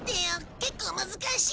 結構難しい。